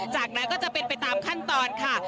จากนั้นก็จะเป็นไปตามขั้นตอนค่ะ